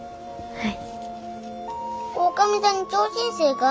はい！